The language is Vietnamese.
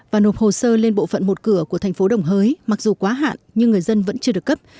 và nộp hồ sơ lên bộ phận một cửa của thành phố đồng hới mặc dù quá hạn nhưng người dân vẫn chưa được cấp